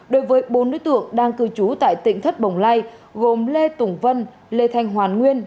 đối với bốn đối tượng đang cư trú tại tỉnh thất bồng lai gồm lê tùng vân lê thanh hoàn nguyên